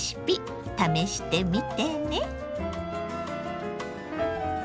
試してみてね。